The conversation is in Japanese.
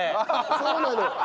そうなの。